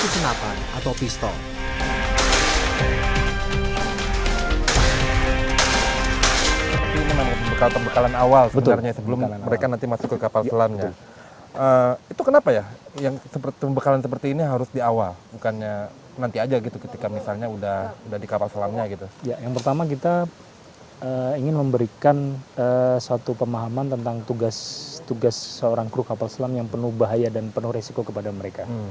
seorang kru kapal selam yang penuh bahaya dan penuh resiko kepada mereka